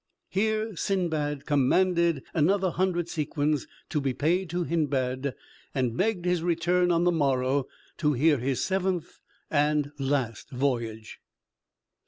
Here Sindbad commanded another hundred sequins to be paid to Hindbad, and begged his return on the morrow to hear his seventh and last voyage.